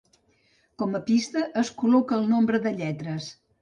Com a pista es col·loca el nombre de lletres.